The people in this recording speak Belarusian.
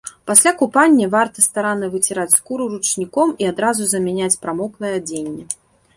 Пасля купання варта старанна выціраць скуру ручніком і адразу замяняць прамоклае адзенне.